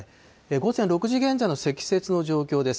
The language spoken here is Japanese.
午前６時現在の積雪の状況です。